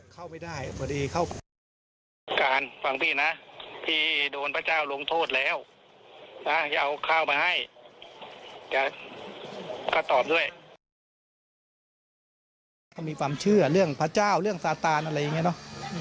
เขามีความเชื่อเรื่องพระเจ้าเรื่องสตาร์ทอะไรอย่างนี้เนอะ